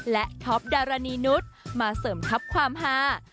และท็อปดารณีนุษย์มาเสริมทัพความฮา